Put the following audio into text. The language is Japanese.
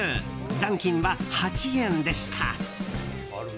残金は８円でした。